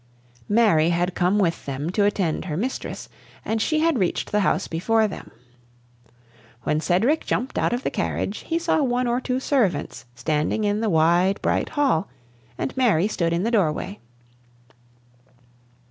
Mary had come with them to attend her mistress, and she had reached the house before them. When Cedric jumped out of the carriage he saw one or two servants standing in the wide, bright hall, and Mary stood in the door way.